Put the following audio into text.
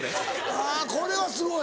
あぁこれはすごい。